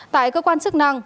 tại cơ quan chức năng